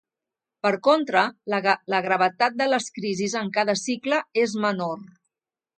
Per contra, la gravetat de les crisis en cada cicle és menor.